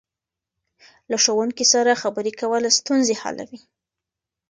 له ښوونکي سره خبرې کول ستونزې حلوي.